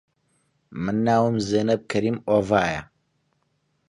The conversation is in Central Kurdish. من ناوم زێنەب کەریم ئۆڤایە